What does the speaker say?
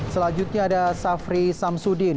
selanjutnya ada safri samsudin